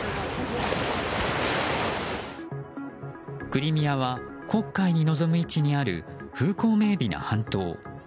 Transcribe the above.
クリミアは国会に望む位置にある風光明媚な半島。